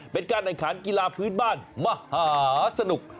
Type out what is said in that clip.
เป็นการแข่งขันกีฬาพื้นบ้านมหาสนุก